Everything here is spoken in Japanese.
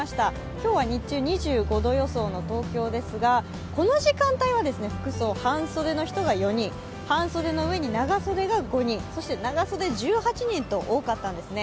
今日は日中２５度予想の東京ですが、この時間帯は服装、半袖の人が４人、半袖の上に長袖が５人、そして長袖が１８人と多かったんですね。